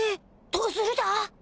どうするだ？